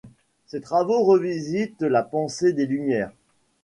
Ses travaux revisitent la pensée des Lumières.